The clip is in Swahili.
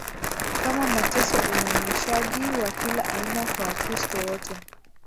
kama mateso unyanyashaji wa kila aina kwa wakristo wote